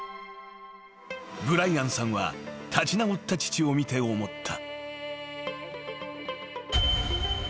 ［ブライアンさんは立ち直った父を見て思った］